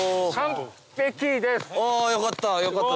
あよかった！